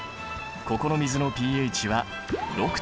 ここの水のｐＨは６．９。